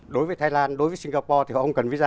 đối với singapore thì họ không cần visa